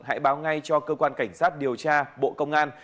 hãy báo ngay cho cơ quan cảnh sát điều tra bộ công an